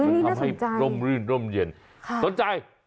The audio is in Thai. มันทำให้ร่มรื่นร่มเย็นสนใจ